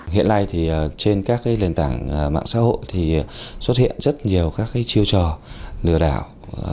hiện nay trên các liên tảng mạng xã hội xuất hiện rất nhiều chiêu trò lừa đảo